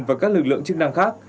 và các lực lượng chức năng khác